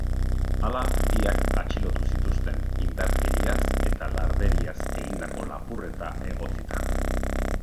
Hala, biak atxilotu zituzten, indarkeriaz eta larderiaz egindako lapurreta egotzita.